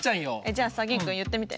じゃあさ玄君言ってみて。